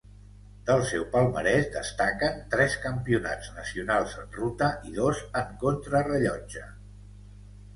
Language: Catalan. Del seu palmarès destaquen tres Campionats nacionals en ruta i dos en contrarellotge.